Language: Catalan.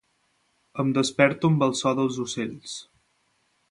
Em desperto amb el so dels ocells.